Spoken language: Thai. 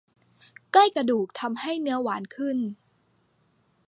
ใกล้กระดูกทำให้เนื้อหวานขึ้น